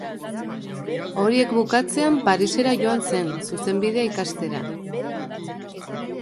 Horiek bukatzean Parisera joan zen, Zuzenbidea ikastera.